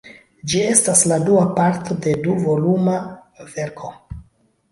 Ĝi estas la dua parto de du-voluma verko.